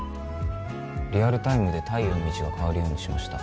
リアルタイムで太陽の位置が変わるようにしました